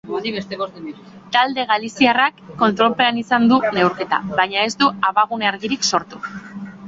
Talde galiziarrak kontrolpean izan du neurketa, baina ez du abagune argirik sortu.